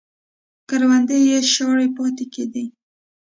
کروندې یې شاړې پاتې کېدې